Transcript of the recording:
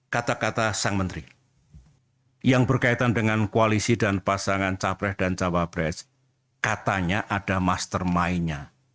kata kata sang menteri yang berkaitan dengan koalisi dan pasangan capres dan cawapres katanya ada mastermindnya